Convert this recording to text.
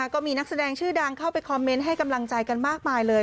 ก็มีนักแสดงชื่อดังเข้าไปคอมเมนต์ให้กำลังใจกันมากมายเลย